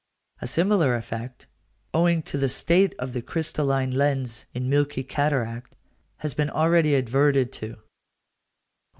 A similar effect, owing to the state of the crystalline lens in milky cataract, has been already adverted to (131).